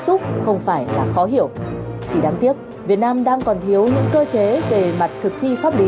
xúc không phải là khó hiểu chỉ đáng tiếc việt nam đang còn thiếu những cơ chế về mặt thực thi pháp lý